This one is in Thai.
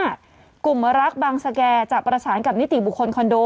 กลุ่มรักบางสแก่จะประสานกับนิติบุคคลคอนโด